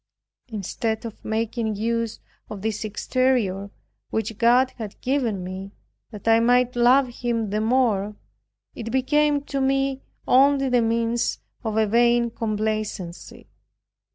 Instead of making use of this exterior, which God had given me, that I might love Him the more, it became to me only the means of a vain complacency.